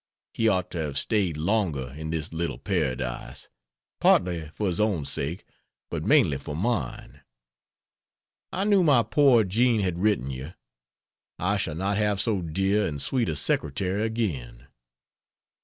He ought to have staid longer in this little paradise partly for his own sake, but mainly for mine. I knew my poor Jean had written you. I shall not have so dear and sweet a secretary again.